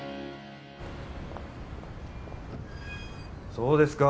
そうですか